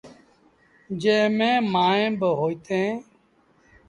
جݩهݩ ميݩ مائيٚݩ با هوئيٚتيٚݩ۔